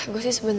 gue sih sebenernya